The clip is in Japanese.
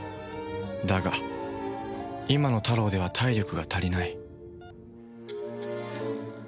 だが今のタロウでは体力が足りない。